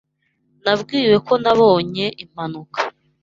Nabwiwe ko wabonye impanuka.